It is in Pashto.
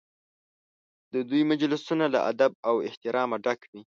د دوی مجلسونه له ادب او احترامه ډک وي.